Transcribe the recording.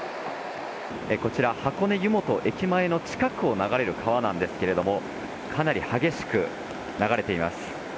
こちら箱根湯本駅前の近くを流れる川なんですけどもかなり激しく流れています。